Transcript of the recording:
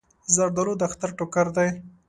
زردالو د اختر ټوکر دی.